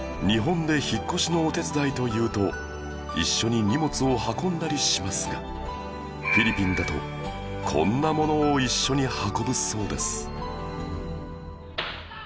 日本で引っ越しのお手伝いというと一緒に荷物を運んだりしますがフィリピンだとこんなものを一緒に運ぶそうです